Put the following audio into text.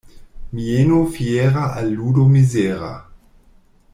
Mieno fiera al ludo mizera.